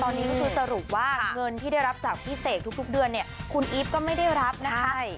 ตอนนี้ก็คือสรุปว่าเงินที่ได้รับจากพี่เสกทุกเดือนเนี่ยคุณอีฟก็ไม่ได้รับนะคะ